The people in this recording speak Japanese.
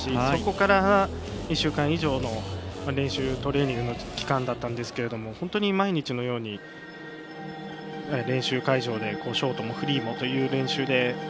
そこから、１週間以上の練習トレーニングの期間だったんですけど本当に毎日のように練習会場でショートもフリーもという練習で。